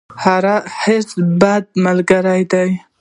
حرص، بد ملګری دی.